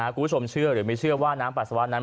คุณผู้ชมเชื่อหรือไม่เชื่อว่าน้ำปัสสาวะนั้น